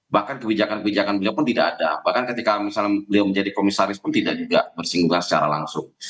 bahkan kebijakan kebijakan beliau pun tidak ada bahkan ketika misalnya beliau menjadi komisaris pun tidak juga bersinggungan secara langsung